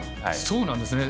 そうなんですね。